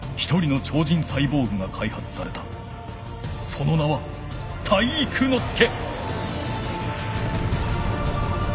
その名は体育ノ介！